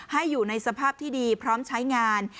อยู่ในสภาพที่ดีพร้อมใช้งาน